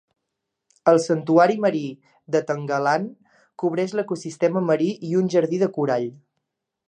El santuari marí de Tangalan cobreix l'ecosistema marí i un jardí de corall.